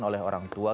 oleh orang tua